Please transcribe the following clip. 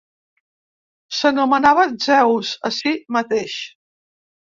S'anomenava Zeus a si mateix.